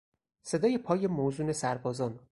صدای پای موزون سربازان